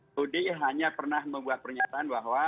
saudi hanya pernah membuat pernyataan bahwa